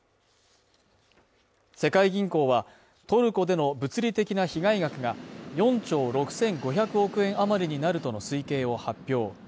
世界銀行はトルコでの物理的な被害額が４兆６５００億円余りになるとの推計を発表。